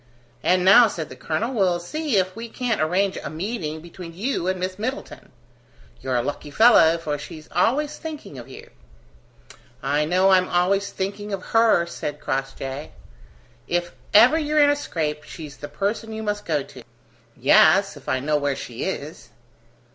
"And now," said the colonel, "we'll see if we can't arrange a meeting between you and Miss Middleton. You're a lucky fellow, for she's always thinking of you." "I know I'm always thinking of her," said Crossjay. "If ever you're in a scrape, she's the person you must go to." "Yes, if I know where she is!"